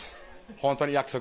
本当に約束。